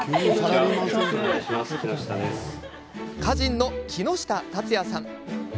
歌人の木下龍也さん。